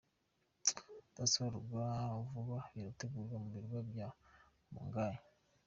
Kudasohora vuba birategurwa mu birwa bya “Mangaia”.